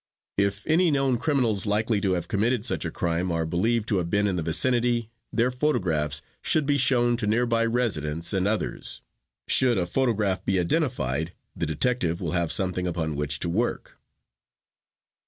If any known criminals likely to have committed such crime are believed to have been in the vicinity, their photographs should be shown to nearby residents and others. Should a photograph be identified, the detective will have something upon which to work.